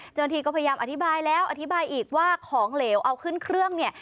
เจ้าหน้าที่ก็พยายามอธิบายแล้วอธิบายอีกว่าของเหลวเอาขึ้นเครื่องเนี่ย